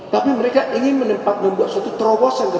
tapi mereka ingin membuat suatu terobosan